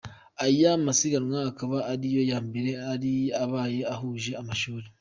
Aya masiganwa akaba ari yo ya mbere yari abaye ho ahuje Amashuri.